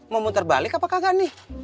mau muter balik apa kagak nih